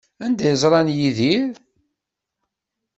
Anda ay ẓran Yidir?